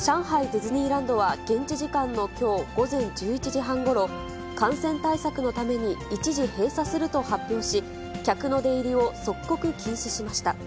ディズニーランドは、現地時間のきょう午前１１時半ごろ、感染対策のために一時閉鎖すると発表し、客の出入りを即刻禁止しました。